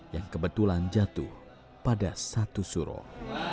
yang kebetulan jatuh pada satu suruh